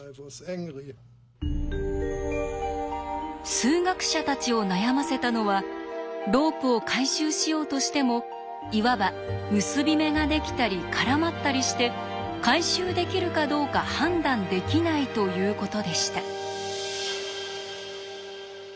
数学者たちを悩ませたのはロープを回収しようとしてもいわば結び目ができたり絡まったりして回収できるかどうか判断できないということでした。